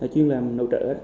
chuyên làm nội trợ